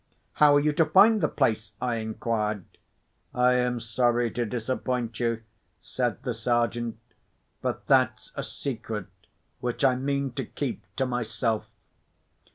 "How are you to find the place?" I inquired. "I am sorry to disappoint you," said the Sergeant—"but that's a secret which I mean to keep to myself."